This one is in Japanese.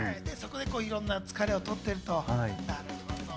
そこでいろんな疲れを取っていると。